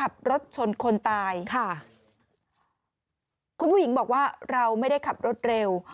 ขับรถชนคนตายค่ะคุณผู้หญิงบอกว่าเราไม่ได้ขับรถเร็ว